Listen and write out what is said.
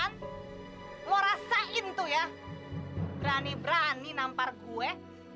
mau rasain tuh ya berani berani nampar gue